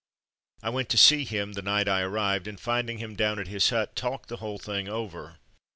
I went to see him the night I arrived, and finding him down at his hut, talked the whole thing over.